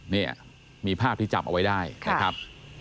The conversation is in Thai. นี่มีภาพที่จับเอาไว้ได้นะครับ